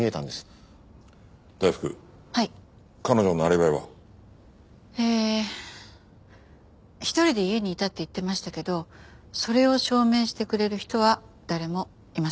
大福彼女のアリバイは？ええ一人で家にいたって言ってましたけどそれを証明してくれる人は誰もいませんでした。